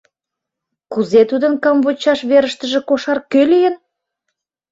Кузе тудын камвочшаш верыштыже кошар кӧ лийын?